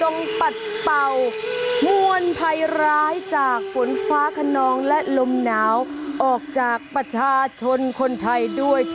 แห่งแสงจันทร์จนปัดเป่าววลภัยร้ายจากวลไฟคนนองและหลมนาวออกจากประชาชนคนไทยด้วยเธอ